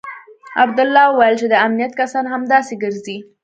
عبدالله وويل چې د امنيت کسان همداسې ګرځي.